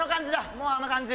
もうあの感じ。